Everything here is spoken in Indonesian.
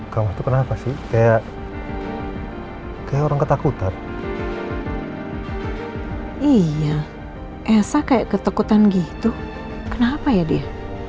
kamu tuh kenapa sih kayak orang ketakutan iya esa kayak ketakutan gitu kenapa ya dia